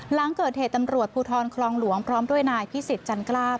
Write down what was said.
หลังเกิดเหตุตำรวจภูทรคลองหลวงพร้อมด้วยนายพิสิทธิจันกล้า